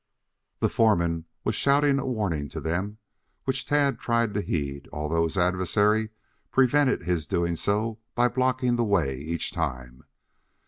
The foreman was shouting a warning to them, which Tad tried to heed, although his adversary prevented his doing so by blocking the way each time.